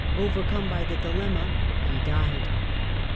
Overcome by the dilemma, he died."